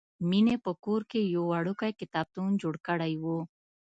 مینې په کور کې یو وړوکی کتابتون جوړ کړی و